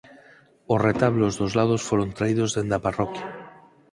Os retablos dos lados foron traídos dende a parroquia.